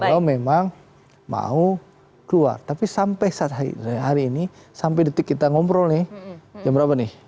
kalau memang mau keluar tapi sampai hari ini sampai detik kita ngobrol nih jam berapa nih